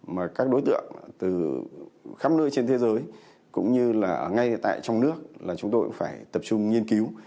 mà các đối tượng từ khắp nơi trên thế giới cũng như là ngay tại trong nước là chúng tôi cũng phải tập trung nghiên cứu